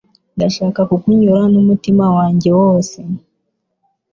Ndashaka kukunyura n’umutima wanjye wose